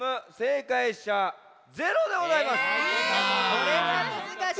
これはむずかしい。